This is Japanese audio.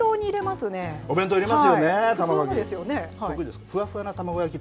お弁当入れますよね、卵焼き。